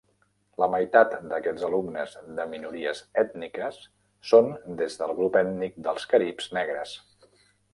La meitat d'aquests alumnes de minories ètniques són des del grup ètnic dels caribs negres.